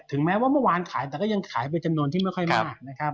แม้ว่าเมื่อวานขายแต่ก็ยังขายเป็นจำนวนที่ไม่ค่อยมากนะครับ